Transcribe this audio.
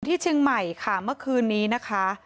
ที่เชียงใหม่ค่ะเมื่อคืนนี้นะคะ